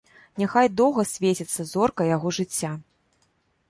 Няхай доўга свеціцца зорка яго жыцця!